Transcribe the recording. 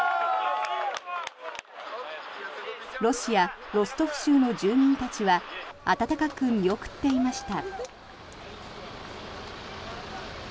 ロシア・ロストフ州の住民たちは温かく見送っていました。